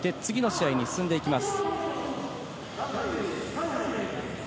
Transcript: で、次の試合に進んでいきます。